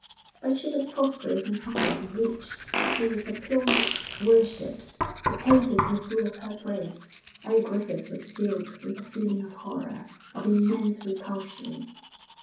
But she was prosperous and happy and rich. She was applauded, worshipped; the papers were full of her praise. Old Griffith was filled with a feeling of horror, of immense repulsion.